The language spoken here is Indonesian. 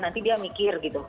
nanti dia mikir gitu